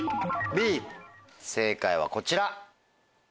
正解はこちら。